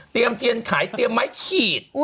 เตรียมเทียนไขเตรียมไม้ฉีด